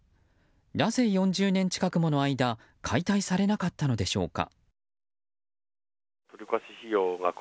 なぜ４０年近くもの間解体されなかったのでしょうか。